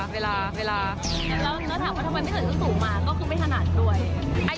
แล้วก็ถามว่าทำไมไม่เสริมสูงสูงมาก็คือไม่ถนัดด้วย